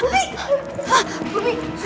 sudah belum ayo cepat